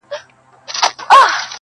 ډېر مي ياديږي دخپلي کلي د خپل غره ملګري-